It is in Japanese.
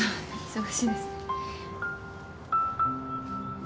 忙しいですね。